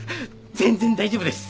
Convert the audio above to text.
全然大丈夫です。